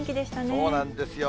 そうなんですよ。